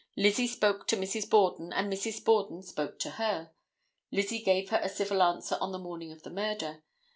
Lizzie spoke to Mrs. Borden and Mrs. Borden spoke to her. Lizzie gave her a civil answer on the morning of the murder.